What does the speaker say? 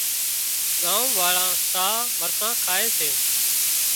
ڳام واۯان ساهََه مرسان کائي سي